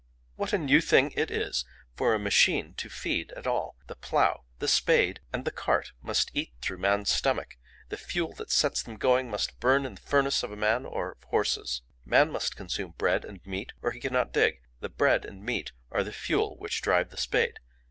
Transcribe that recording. "What a new thing it is for a machine to feed at all! The plough, the spade, and the cart must eat through man's stomach; the fuel that sets them going must burn in the furnace of a man or of horses. Man must consume bread and meat or he cannot dig; the bread and meat are the fuel which drive the spade.